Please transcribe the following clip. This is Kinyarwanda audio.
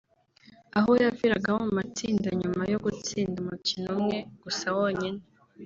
aho yaviragamo mu matsinda nyuma yo gutsinda umukino umwe gusa wonyine